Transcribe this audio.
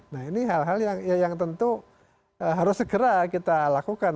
nah ini hal hal yang tentu harus segera kita lakukan